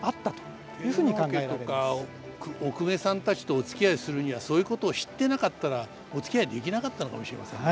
天皇家とかお公家さんたちとおつきあいするにはそういうことを知ってなかったらおつきあいできなかったのかもしれませんね。